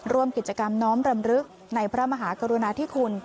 ร่วมกิจกรรมน้อมรำลึกในพระมหากรุณาธิคุณ